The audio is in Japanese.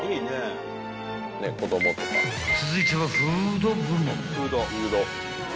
［続いてはフード部門］